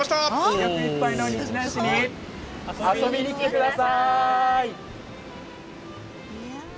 魅力いっぱいの日南市に遊びに来てください！